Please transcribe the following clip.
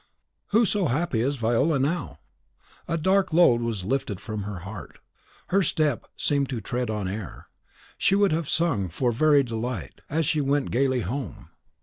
Who so happy as Viola now! A dark load was lifted from her heart: her step seemed to tread on air; she would have sung for very delight as she went gayly home.